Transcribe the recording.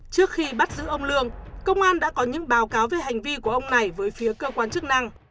trước khi bắt giữ ông lương công an đã có những báo cáo về hành vi của ông này với phía cơ quan chức năng